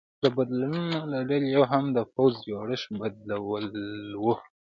د بدلونونو له ډلې یو هم د پوځ جوړښت بدلول و